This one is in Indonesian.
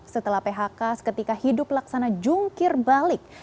setelah phk seketika hidup laksana jungkir balik